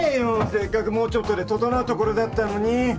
せっかくもうちょっとで整うところだったのに！